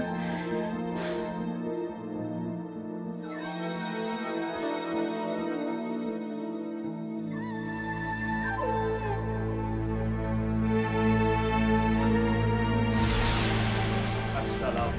coloh itu berlakunya sekarang